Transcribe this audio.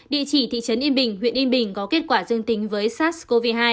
địa chỉ thị trấn yên bình huyện yên bình có kết quả dương tính với sars cov hai